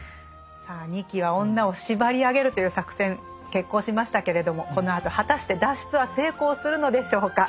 さあ仁木は女を縛り上げるという作戦決行しましたけれどもこのあと果たして脱出は成功するのでしょうか。